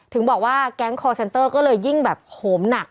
ถึงบอกว่าแก๊งคอร์เซนเตอร์ก็เลยยิ่งแบบโหมหนัก